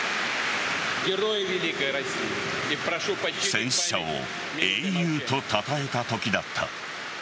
戦死者を英雄とたたえたときだった。